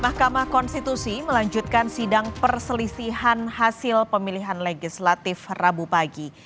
mahkamah konstitusi melanjutkan sidang perselisihan hasil pemilihan legislatif rabu pagi